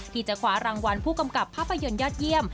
ที่จะคว้ารางวัลผู้กำกับภาพยนตร์ยอดเยี่ยม